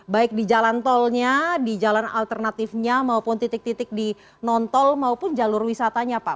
baik di jalan tolnya di jalan alternatifnya maupun titik titik di non tol maupun jalur wisatanya pak